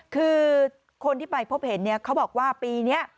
คือคนที่ไปพบเห็นเนี่ยเขาบอกว่าปีนี้